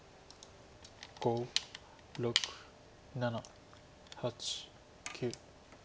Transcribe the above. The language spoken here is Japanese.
５６７８９。